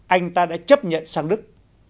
anh ta đã chấp nhận sang đức